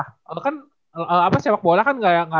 kalo kan sepak bola kan nggak ada kabar karena mau sepak bola